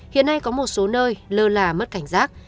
hiện nay có một số nơi lơ là mất cảnh giác